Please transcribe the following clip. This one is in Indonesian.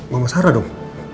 mama sarah dong